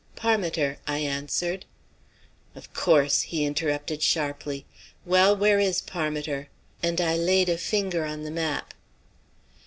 "Parmiter," I answered. "Of course," he interrupted sharply. "Well, where is Parmiter?" and I laid a finger on the map.